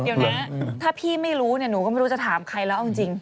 เดี๋ยวนี้ถ้าพี่ไม่รู้เนี่ยหนูก็ไม่รู้จะถามใครแล้วเอาจริง